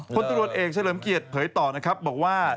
คนตรวจเอกเฉลิมเกียรติเผยต่อนะครับบอกว่า